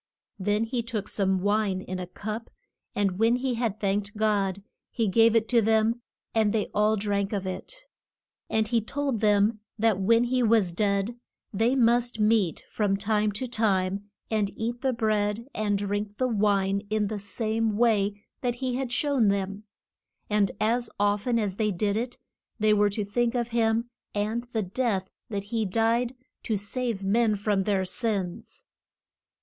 Then he took some wine in a cup, and when he had thanked God, he gave it to them and they all drank of it. [Illustration: PRAY ING IN THE GAR DEN.] And he told them that when he was dead they must meet from time to time, and eat the bread and drink the wine in the same way that he had shown them; and as of ten as they did it they were to think of him, and the death that he died to save men from their sins.